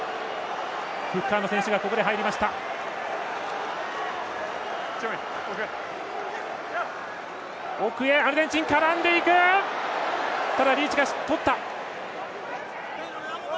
フッカーの選手がここで入りました。